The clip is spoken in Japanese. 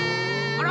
あら！